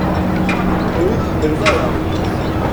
Ur iyi-tḥemmlem ara!